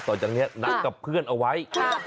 จากนี้นัดกับเพื่อนเอาไว้